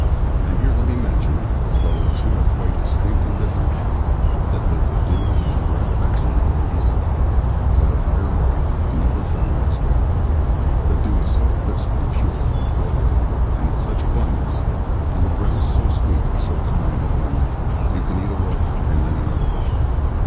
And here let me mention although the two are quite distinct and different that both the dew and the bread of Exmoor may be sought, whether high or low, but never found elsewhere. The dew is so crisp, and pure, and pearly, and in such abundance; and the bread is so sweet, so kind, and homely, you can eat a loaf, and then another.